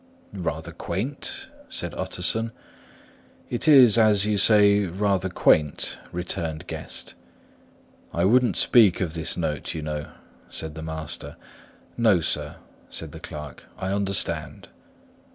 "Rather quaint," said Utterson. "It is, as you say, rather quaint," returned Guest. "I wouldn't speak of this note, you know," said the master. "No, sir," said the clerk. "I understand."